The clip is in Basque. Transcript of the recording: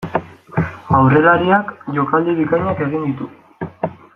Aurrelariak jokaldi bikainak egin ditu.